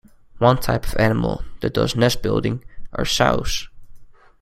One type of animal that does nest building are sows.